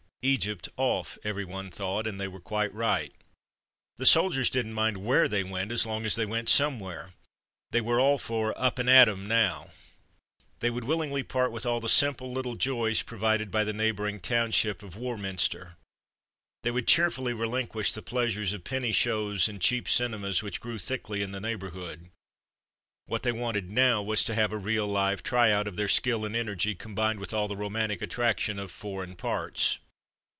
Egypt "off,'' everyone thought, and they were quite right. The soldiers didn't mind where they went as long as they went somewhere. They were all for "up and at 'em" now. They would 70 From Mud to Mufti willingly part with all the simple little joys provided by the neighbouring township of Warminster. They would cheerfully relin quish the pleasures of penny shows and cheap cinemas which grew thickly in the neighbourhood. What they wanted now was to have a real live try out of their skill and energy combined with all the romantic attraction of ''foreign parts.